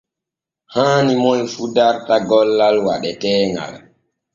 Haani moy fu darta gollal waɗeteeŋal.